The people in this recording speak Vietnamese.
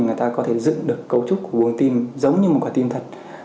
người ta có thể dựng được cấu trúc của uống tim giống như một quả tim thật